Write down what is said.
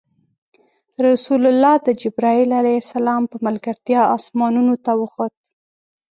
رسول الله د جبرایل ع په ملګرتیا اسمانونو ته وخوت.